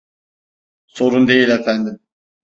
Sorun değil efendim.